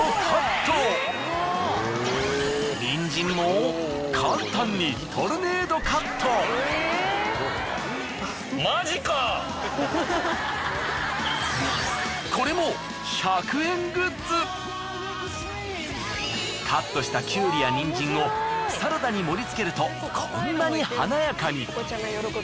ニンジンも簡単にカットしたキュウリやニンジンをサラダに盛りつけるとこんなに華やかに。